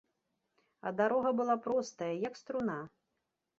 А дарога была простая, як струна.